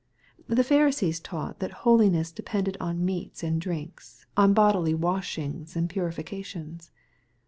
The Pharisees taught that holiness depended on meats and drinks, on bodily washings and purifications.